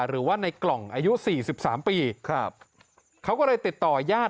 หรือว่าในกล่องอายุ๔๓ปีเขาก็เลยติดต่อยาฆ